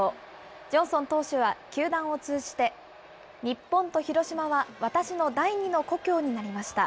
ジョンソン投手は球団を通じて、日本と広島は私の第二の故郷になりました。